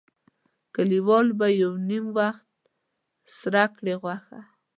کلیوالو به یو نیم وخت سره کړې غوښه.